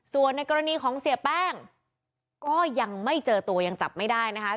ส่วนในกรณีของเสียแป้งก็ยังไม่เจอตัวยังจับไม่ได้นะคะ